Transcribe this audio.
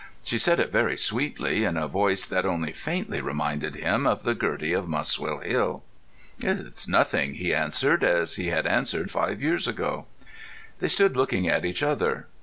She said it very sweetly, in a voice that only faintly reminded him of the Gertie of Muswell Hill. "It's nothing," he answered, as he had answered five years ago. They stood looking at each other.